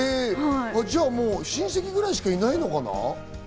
親戚ぐらいしかいないのかな？